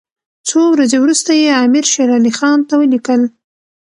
څو ورځې وروسته یې امیر شېر علي خان ته ولیکل.